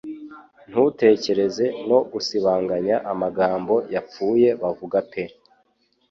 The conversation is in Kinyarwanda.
Ntutekereze no gusibanganya amagambo yapfuye bavuga pe